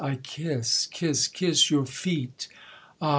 I kiss, kiss, kiss your feet; Ah!